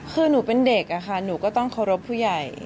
คือหนูเป็นเด็กอะค่ะหนูก็ต้องเคารพผู้ใหญ่